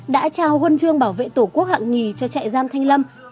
đã trao huân chương bảo vệ tổ quốc hạng nhì cho trại giam thanh lâm